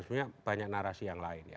sebenarnya banyak narasi yang lain ya